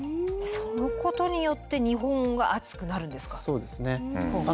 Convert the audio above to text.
そのことによって日本は暑くなるんですか？